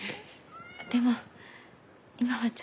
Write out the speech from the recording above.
でも今はちょっと。